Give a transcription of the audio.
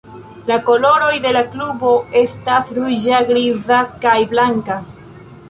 La koloroj de la klubo estas ruĝa, griza, kaj blanka.